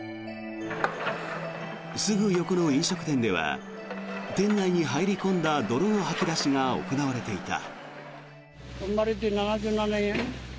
すぐ横の飲食店では店内に入り込んだ泥の掃き出しが行われていた。